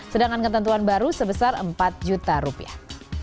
sedangkan ketentuan baru sebesar empat juta rupiah